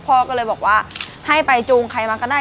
พ่อก็เลยบอกว่าให้ไปจูงใครมาก็ได้